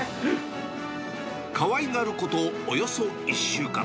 かわいがることおよそ１週間。